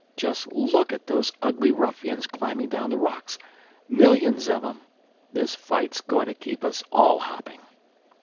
Just look at those ugly ruffians climbing down the rocks—millions of 'em! This fight's going to keep us all hopping."